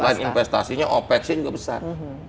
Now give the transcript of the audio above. selain investasinya opex nya juga besar